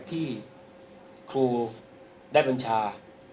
ที่ครูได้บัญชา